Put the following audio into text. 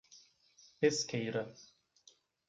Pesqueira